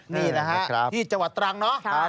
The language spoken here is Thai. นี่นะครับที่จังหวัดตรังเนอะ